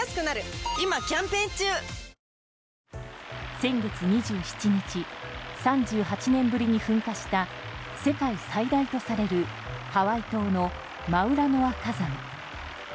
先月２７日３８年ぶりに噴火した世界最大とされるハワイ島のマウナロア火山。